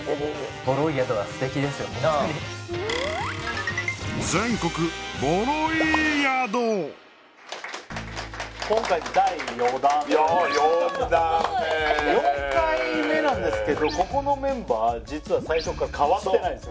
ホントに今回で第４弾４弾目４回目なんですけどここのメンバー実は最初から変わってないんですよ